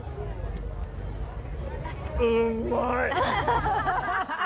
うんまい！